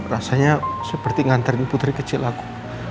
rasanya seperti ngantarin putri kecil aku